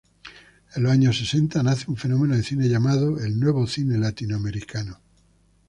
En los años sesenta nace un fenómeno de cine llamado: el nuevo cine latinoamericano.